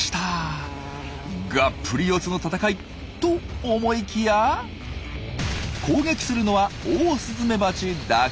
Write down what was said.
がっぷり四つの戦いと思いきや攻撃するのはオオスズメバチだけ。